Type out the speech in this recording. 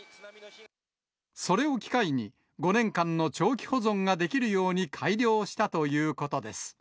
それを機会に、５年間の長期保存ができるように改良したということです。